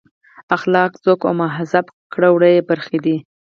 اخلاق ذوق او مهذب کړه وړه یې برخې دي.